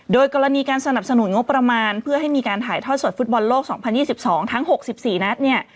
โดยกรณีการสนับสนุนงบประมาณเพื่อให้มีการถ่ายทอดสดฟุตบอลโลก๒๐๒๒ทั้ง๖๔นัดเนี่ย